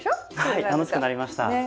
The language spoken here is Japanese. はい楽しくなりました。